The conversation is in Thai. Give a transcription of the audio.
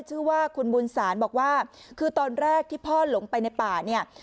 ชื่อว่าคุณบุญศาลบอกว่าคือตอนแรกที่พ่อหลงไปในป่าเนี่ย